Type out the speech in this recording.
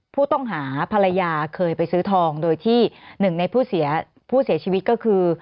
ผู้ต้องหาภรรยาเคยไปซื้อทองโดยที่หนึ่งในผู้เสียชีวิตก็คือ